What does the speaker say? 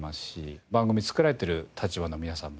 番組作られてる立場の皆さんもね